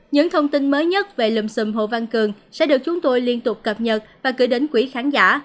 những thông tin mới nhất về lùm xùm hồ văn cường sẽ được chúng tôi liên tục cập nhật và gửi đến quý khán giả